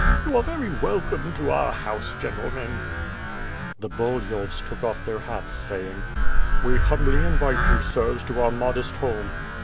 You are very welcome to our house, gentlemen!" The Bulyhovs took off their hats saying: "We humbly invite you, sirs, to ur modest home."